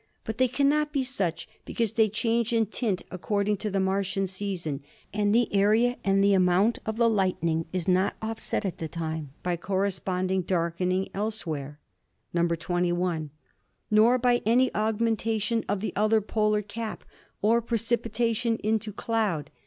But they cannot be such because they change in tint, according to the Martian season, and the area and the amount of the lightening is not offset at the time by corre sponding darkening elsewhere "(21) Nor by any augmentation of the other polar cap or precipitation into cloud.